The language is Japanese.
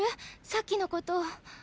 さっきのこと。